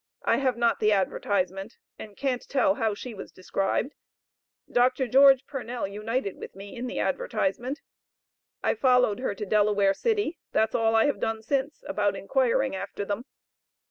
I have not the advertisement and can't tell how she was described; Dr. George Purnell united with me in the advertisement. I followed her to Delaware City; that's all I have done since, about inquiring after them.